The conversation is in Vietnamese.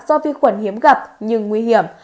do vi khuẩn hiếm gặp nhưng nguy hiểm